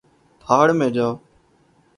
بھاڑ میں جاؤ